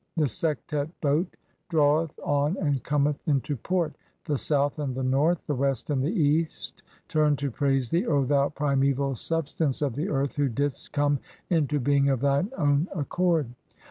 The Sektet boat "draweth on and cometh into port ; the South and the North, "the West and the East turn to praise thee, O thou primeval "substance of the earth who didst come into being of thine own "accord.